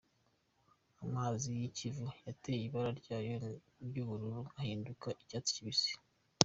Amazi y’Ikivu yataye ibara ryayo ry’ubururu ahinduka icyatsi kibisi.